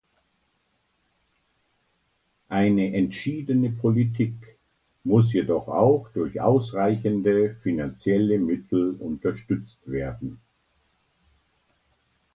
Eine entschiedene Politik muss jedoch auch durch ausreichende finanzielle Mittel unterstützt werden.